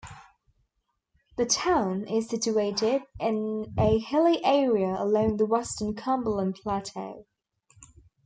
The town is situated in a hilly area along the western Cumberland Plateau.